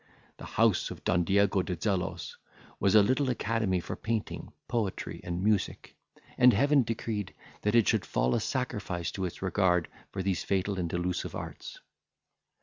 The house of Don Diego de Zelos was a little academy for painting, poetry, and music; and Heaven decreed that it should fall a sacrifice to its regard for these fatal and delusive arts.